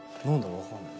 わかんない。